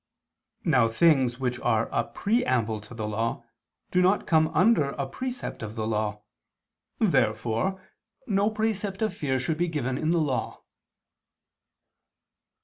Now things which are a preamble to the Law do not come under a precept of the Law. Therefore no precept of fear should be given in the Law.